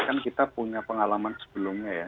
kan kita punya pengalaman sebelumnya ya